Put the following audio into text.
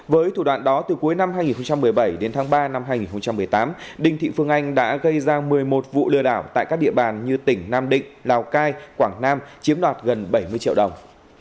với thủ đoạn đó từ cuối năm hai nghìn một mươi bảy đến tháng ba năm hai nghìn một mươi tám đinh thị phương anh đã gây ra một mươi một vụ lừa đảo tại các địa bàn như tỉnh nam định lào cai quảng nam chiếm đoạt gần bảy mươi triệu đồng